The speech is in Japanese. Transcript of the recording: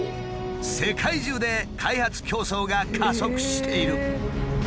世界中で開発競争が加速している。